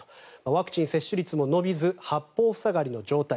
ワクチン接種率も伸びず八方塞がりの状態。